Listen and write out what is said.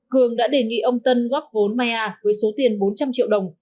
cường đã đề nghị ông tân góp vốn maya với số tiền bốn trăm linh triệu đồng